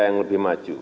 yang lebih maju